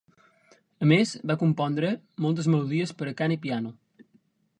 A més, va compondre, moltes melodies per a cant i piano.